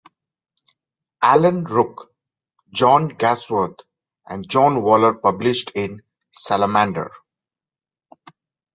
Alan Rook, John Gawsworth and John Waller published in "Salamander".